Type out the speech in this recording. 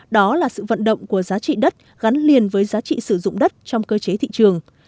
đó là sự vận động của giá trị đất gắn liền với giá trị sử dụng đất trong cơ chế thị trường